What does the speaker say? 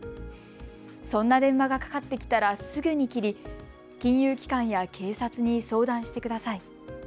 そんな電話がかかってきたらすぐに切り、金融機関や警察に相談してください。